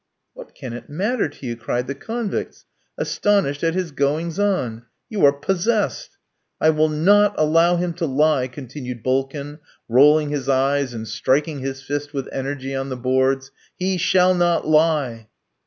"What can it matter to you?" cried the convicts, astonished at his goings on. "You are possessed." "I will not allow him to lie," continued Bulkin, rolling his eyes, and striking his fist with energy on the boards. "He shall not lie."